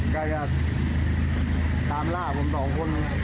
ก็อยากตามล่าผม๒คน